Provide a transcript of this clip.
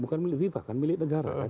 bukan milik viva kan milik negara kan